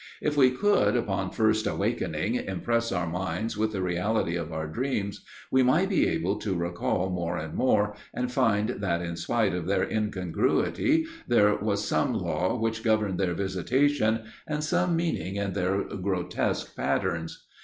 If we could, upon first awakening, impress our minds with the reality of our dreams, we might be able to recall more and more, and find that in spite of their incongruity there was some law which governed their visitation and some meaning in their grotesque patterns.